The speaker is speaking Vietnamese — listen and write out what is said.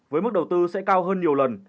với mức đầu tư sẽ cao hơn nhiều lần